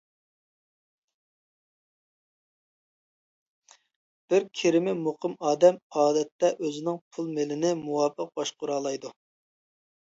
بىر كىرىمى مۇقىم ئادەم، ئادەتتە ئۆزىنىڭ پۇل-مېلىنى مۇۋاپىق باشقۇرالايدۇ.